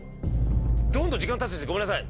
どんどん時間たっちゃってごめんなさい。